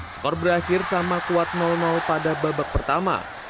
skor berakhir sama kuat pada babak pertama